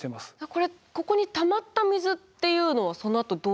これここにたまった水っていうのはそのあとどうなるんですか？